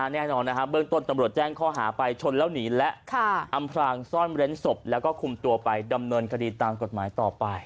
แน่นอนนะครับเบื้องต้นตำรวจแจ้งข้อหาไปชนแล้วหนีและอำพรางซ่อนเร้นศพแล้วก็คุมตัวไปดำเนินคดีตามกฎหมายต่อไป